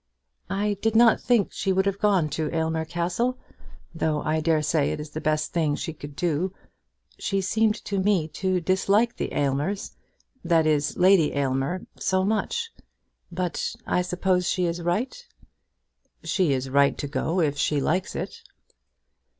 "I did not think she would have gone to Aylmer Castle, though I dare say it is the best thing she could do. She seemed to me to dislike the Aylmers, that is, Lady Aylmer, so much! But I suppose she is right?" "She is right to go if she likes it."